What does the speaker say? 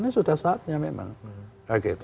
ini sudah saatnya memang